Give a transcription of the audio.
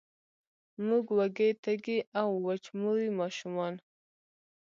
موږ وږې، تږې او، وچموري ماشومان